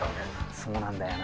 そうなんだよな。